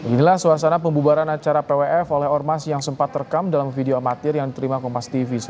inilah suasana pembubaran acara pwf oleh ormas yang sempat terekam dalam video amatir yang diterima kompas tv